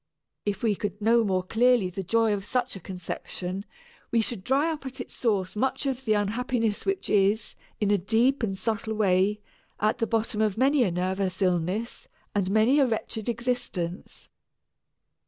If we could know more clearly the joy of such a conception, we should dry up at its source much of the unhappiness which is, in a deep and subtle way, at the bottom of many a nervous illness and many a wretched existence.